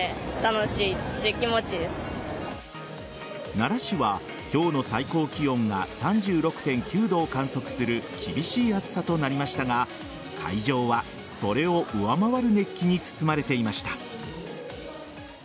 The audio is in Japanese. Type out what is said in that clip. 奈良市は、今日の最高気温が３６．９度を観測する厳しい暑さとなりましたが会場は、それを上回る熱気に包まれていました。